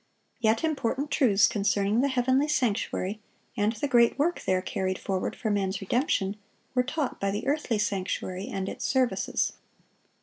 Yet important truths concerning the heavenly sanctuary and the great work there carried forward for man's redemption, were taught by the earthly sanctuary and its services.